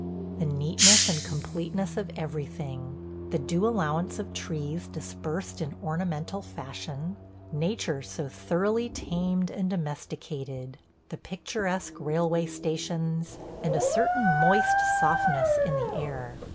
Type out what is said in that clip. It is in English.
The neatness and completeness of everything; the due allowance of trees dispersed in ornamental fashion; nature so thoroughly tamed and domesticated; the picturesque railway stations, and a certain moist softness in the air.